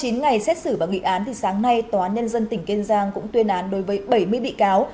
sau chín ngày xét xử và nghị án sáng nay tòa án nhân dân tỉnh kên giang cũng tuyên án đối với bảy mươi bị cáo